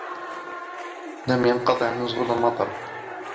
لَمْ يَنْقَطَعْ نُزُولُ الْمَطَرِ.